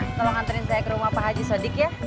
kak fisna tolong anterin saya ke rumah pak haji sodik ya